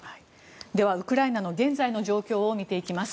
では、ウクライナの現在の状況を見ていきます。